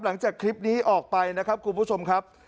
หลังจากคลิปนี้ออกไปนะครับคุณผู้ชมครับ